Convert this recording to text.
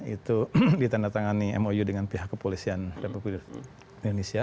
itu ditandatangani mou dengan pihak kepolisian republik indonesia